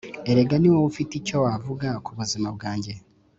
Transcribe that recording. Erega niwowe ufite icyo wavuga kubuzima bwanjye